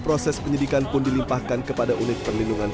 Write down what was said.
proses penyidikan pun dilimpahkan kepada unit perlindungan